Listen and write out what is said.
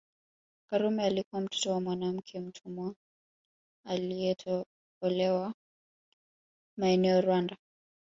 Karume alikuwa mtoto wa mwanamke mtumwa alietolewa maeneo Rwanda